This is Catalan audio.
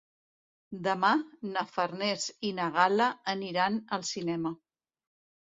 Demà na Farners i na Gal·la aniran al cinema.